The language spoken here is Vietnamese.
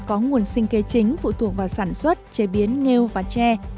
có nguồn sinh kế chính phụ thuộc vào sản xuất chế biến nghèo và che